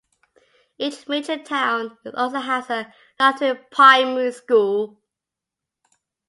Each major town also has a Lutheran primary school.